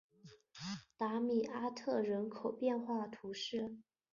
达米阿特人口变化图示